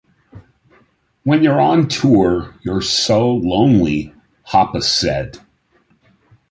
"When you're on tour, you're so lonely," Hoppus said.